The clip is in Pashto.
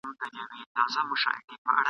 یو ناڅاپه یو ماشوم راغی له پاسه ..